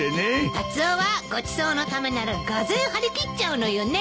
カツオはごちそうのためならがぜん張り切っちゃうのよね。